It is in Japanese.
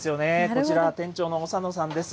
こちらが店長の小佐野さんです。